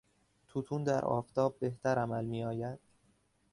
توتون در آفتاب بهتر عمل میآید.